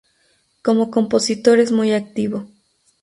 Como compositor es muy activo.